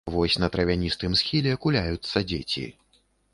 Вось на травяністым схіле куляюцца дзеці.